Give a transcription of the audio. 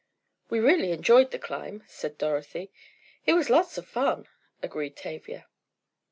"We really enjoyed the climb," said Dorothy. "It was lots of fun," agreed Tavia.